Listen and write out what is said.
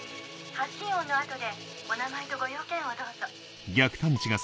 発信音の後でお名前とご用件をどうぞ。